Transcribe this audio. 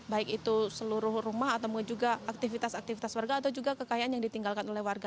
baik itu seluruh rumah atau juga aktivitas aktivitas warga atau juga kekayaan yang ditinggalkan oleh warga